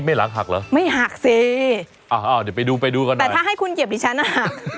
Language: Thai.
ไม่หลังหักเหรอไม่หักสิอ่าเดี๋ยวไปดูไปดูกันแต่ถ้าให้คุณเหยียบดิฉันอ่ะหัก